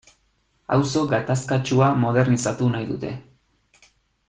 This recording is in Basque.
Auzo gatazkatsua modernizatu nahi dute.